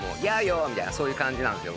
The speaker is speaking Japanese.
みたいなそういう感じなんですよ